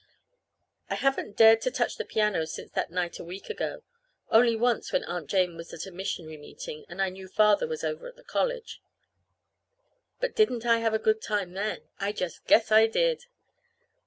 I haven't dared to touch the piano since that night a week ago, only once when Aunt Jane was at a missionary meeting, and I knew Father was over to the college. But didn't I have a good time then? I just guess I did!